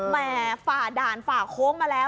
ฝ่าด่านฝ่าโค้งมาแล้ว